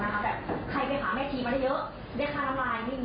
แต่ใครเป็นขาดแม่ทีมมาได้เยอะและได้ค่าน้ำลายไม่มีไม่มี